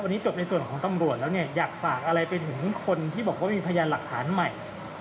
วันนี้จบในส่วนของตำรวจแล้วเนี่ยอยากฝากอะไรไปถึงคนที่บอกว่ามีพยานหลักฐานใหม่